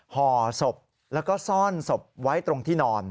ห่อศพแล้วก็ซ่อนศพไว้ตรงที่นอน